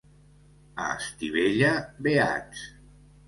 A Estivella, beats.